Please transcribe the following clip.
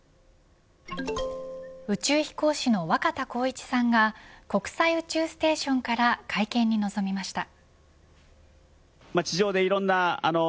宇宙飛行士の若田光一さんが国際宇宙ステーションから会見に臨みました。